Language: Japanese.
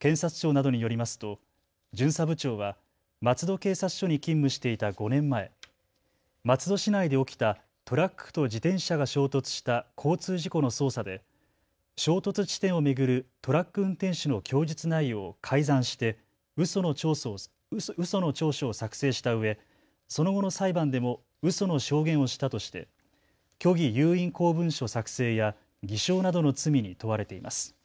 検察庁などによりますと巡査部長は松戸警察署に勤務していた５年前、松戸市内で起きたトラックと自転車が衝突した交通事故の捜査で衝突地点を巡るトラック運転手の供述内容を改ざんして、うその調書を作成したうえ、その後の裁判でもうその証言をしたとして虚偽有印公文書作成や偽証などの罪に問われています。